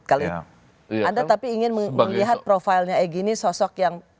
anda tapi ingin melihat profilnya egy ini sosok yang